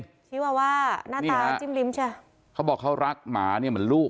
ชิคกี้พายว่าหน้าตาจิ้มริ้มใช่มั้ยนี่ฮะเขาบอกเขารักหมาเนี่ยเหมือนลูก